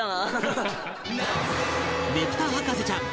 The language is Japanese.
ねぷた博士ちゃん